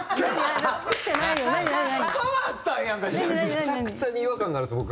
めちゃくちゃに違和感があるんですよ